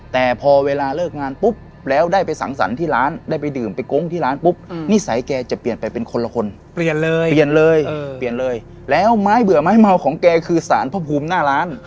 แต่พอเวลาเลิกงานปุ๊บแล้วได้ไปสังสรรค์ที่ร้านได้ไปดื่มไปโก๊งที่ร้านปุ๊บนิสัยแกจะเปลี่ยนไปเป็นคนละคนเปลี่ยนเลยเปลี่ยนเลยเปลี่ยนเลยแล้วไม้เบื่อไม้เมาของแกคือสารพระภูมิหน้าร้าน